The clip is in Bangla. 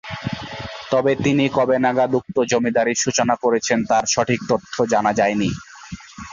তবে তিনি কবে নাগাদ উক্ত জমিদারীর সূচনা করেছেন তার সঠিক তথ্য জানা যায়নি।